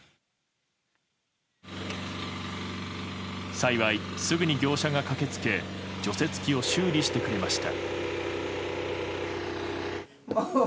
幸い、すぐに業者が駆け付け除雪機を修理してくれました。